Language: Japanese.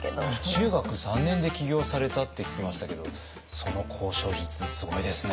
中学３年で起業されたって聞きましたけどその交渉術すごいですね。